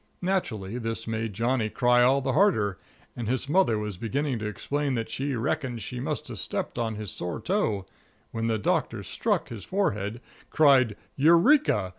Naturally, this made Johnny cry all the harder, and his mother was beginning to explain that she "reckoned she must have stepped on his sore toe," when the Doctor struck his forehead, cried "Eureka!"